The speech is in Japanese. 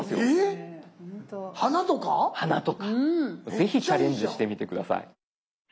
是非チャレンジしてみて下さい。